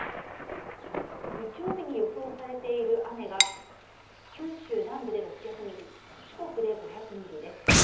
日曜日に予想されている雨が九州南部で６００ミリ四国で５００ミリです。